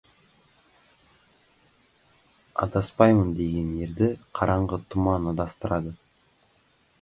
«Адаспаймын» деген ерді, қараңғы тұман адастырады.